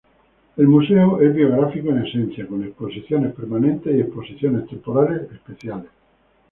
El museo es biográfico en esencia, con exposiciones permanentes y exposiciones temporales especiales.